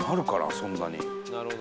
そんなに。